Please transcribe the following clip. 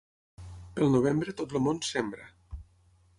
Pel novembre, tot el món sembra.